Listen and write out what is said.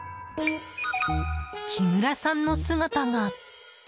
木村さんの姿が。